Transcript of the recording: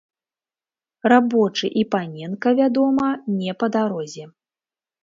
Рабочы і паненка, вядома, не па дарозе.